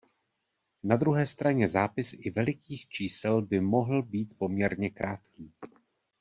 Na druhé straně zápis i velikých čísel by mohl být poměrně krátký.